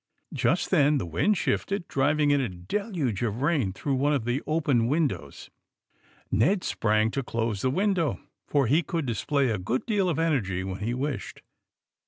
Just then the wind shifted, driving in a del uge of rain through one of the open windows. Ned sprang to close the window, for he could display a good deal of energy when he wished.